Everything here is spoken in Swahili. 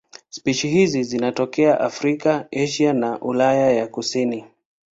Spishi hizi zinatokea Afrika, Asia na Ulaya ya kusini.